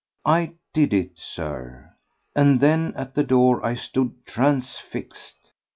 I did it, Sir, and then at the door I stood transfixed.